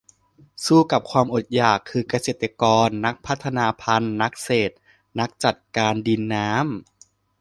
สู้กับความอดอยาก คือเกษตรกร นักพัฒนาพันธุ์ นักเศรษฐ์ นักจัดการดิน-น้ำ